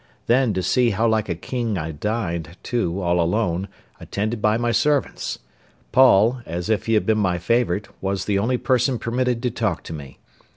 Then, to see how like a king I dined, too, all alone, attended by my servants! Poll, as if he had been my favourite, was the only person permitted to talk to me.